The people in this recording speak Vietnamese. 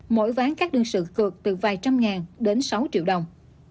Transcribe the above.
mỗi ván các đương sự cược từ vài trăm ngàn đến sáu triệu đồng